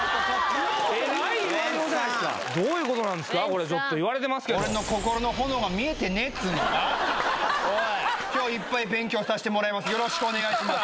これちょっと言われてますけど今日いっぱい勉強させてもらいますお願いします